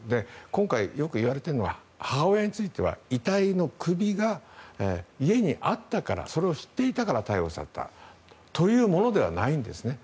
今回、よく言われているのは母親については遺体の首が家にあったからそれを知っていたから逮捕されたというものではないんですね。